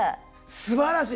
すばらしい。